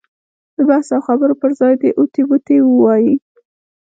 د بحث او خبرو پر ځای دې اوتې بوتې ووایي.